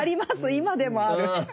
今でもある。